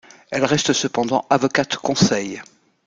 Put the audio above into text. Elle reste cependant avocate-conseil.